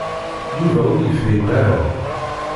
Yuba ur yefhim aya.